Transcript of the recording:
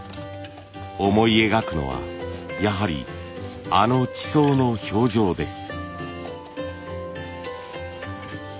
思い描くのはやはりあの地層の表情です。